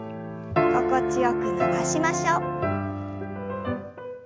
心地よく伸ばしましょう。